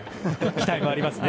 期待もありますね。